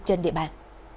trên địa bàn